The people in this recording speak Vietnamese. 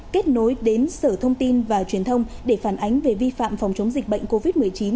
kết nối đến sở thông tin và truyền thông để phản ánh về vi phạm phòng chống dịch bệnh covid một mươi chín